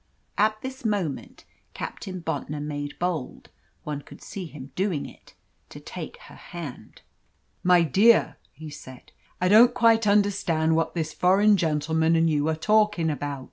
At this moment Captain Bontnor made bold one could see him doing it to take her hand. "My dear," he said, "I don't quite understand what this foreign gentleman and you are talkin' about.